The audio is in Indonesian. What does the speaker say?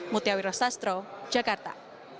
mutiawira sastro jakarta